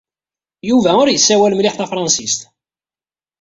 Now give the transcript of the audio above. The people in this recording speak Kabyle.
Yuba ur yessawal mliḥ tafṛensist.